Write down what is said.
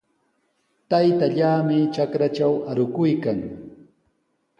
Taytallaami trakratraw arukuykan.